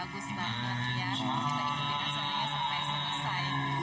kita ikuti rasanya sampai selesai